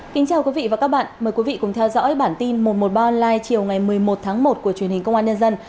kính chào quý vị và các bạn mời quý vị cùng theo dõi bản tin một trăm một mươi ba online chiều ngày một mươi một tháng một của truyền hình công an nhân dân